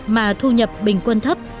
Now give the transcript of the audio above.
mà thu nhập bình quân thấp